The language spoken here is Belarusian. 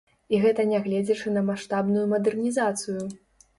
І гэта нягледзячы на маштабную мадэрнізацыю!